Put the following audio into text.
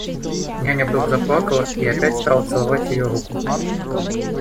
Няня вдруг заплакала и опять стала целовать ее руку.